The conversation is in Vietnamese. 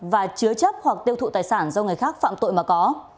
và chứa chấp hoặc tiêu thụ tài sản do người khác phạm tội mà có